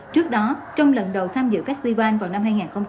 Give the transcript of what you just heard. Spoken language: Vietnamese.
trước đó trong lần đầu tham dự festival vào năm hai nghìn một mươi tám